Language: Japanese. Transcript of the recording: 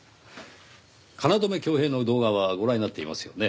京匡平の動画はご覧になっていますよね？